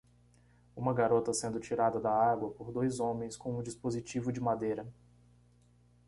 Uma garota sendo tirada da água por dois homens com um dispositivo de madeira